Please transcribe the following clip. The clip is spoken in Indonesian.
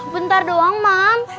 bentar doang mom